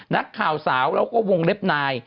นักข่าวสาวแล้วก็วงเล็บนาย